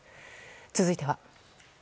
続いては。